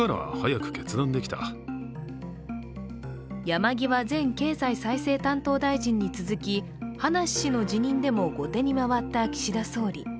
山際前経済再生担当大臣に続き、葉梨氏の辞任でも後手に回った岸田総理。